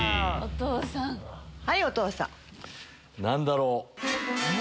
何だろう？